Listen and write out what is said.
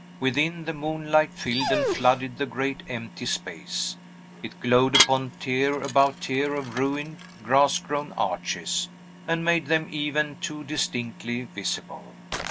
Within, the moonlight filled and flooded the great empty space; it glowed upon tier above tier of ruined, grass grown arches, and made them even too distinctly visible.